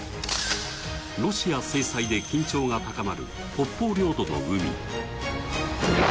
ロシア制裁で緊張が高まる北方領土の海。